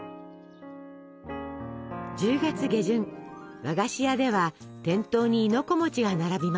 １０月下旬和菓子屋では店頭に亥の子が並びます。